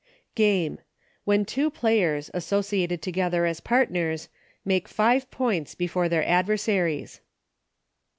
Game, When two players, associated to gether as partners, make five points before their adversaries.